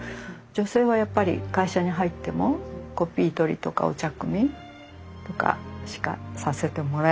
女性はやっぱり会社に入ってもコピー取りとかお茶くみとかしかさせてもらえなかったし。